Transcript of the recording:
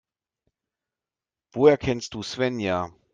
Woher kennst du Svenja?